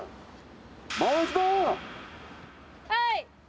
はい！